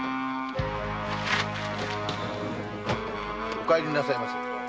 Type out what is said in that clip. お帰りなさいませ。